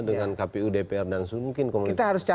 dengan kpu dpr dan mungkin komunitas